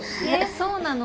そうなの？